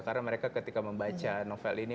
karena mereka ketika membaca novel ini